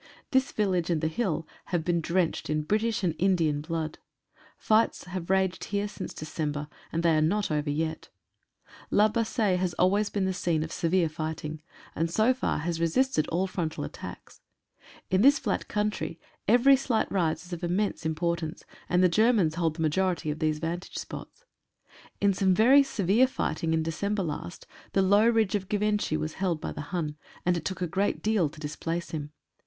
This village and the hill have been drenched in British and Indian blood. Fights have raged here since December, and they are not over yet. 182 EFFECTS OF SHELL SHOCK. La Bassee has always been the scene of severe fighting, and so far has resisted all frontal attacks. In this flat country every slight rise is of immense import ance, and the Germans hold the majority of these van tage spots. In some very severe fighting in December last the low ridge of Givenchy was held by the Hun, and it took a great deal to displace him.